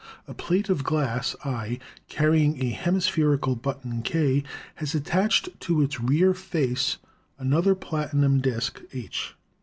A plate of glass, I, carrying a hemispherical button, K, has at tached to its rear face another platinum disk, H.